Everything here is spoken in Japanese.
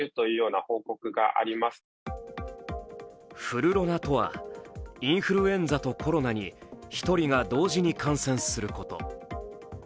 フルロナとは、インフルエンザとコロナに１人が同時に感染すること。